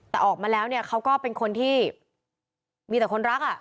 แต่ออกมาแล้วเขาก็เป็นคนที่มีแต่คนรัก